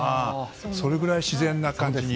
それぐらい自然な感じ。